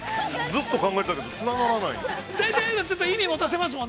ずっと考えたけど、つながらないんですよ。